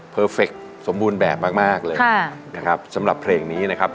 เฟคสมบูรณ์แบบมากเลยนะครับสำหรับเพลงนี้นะครับ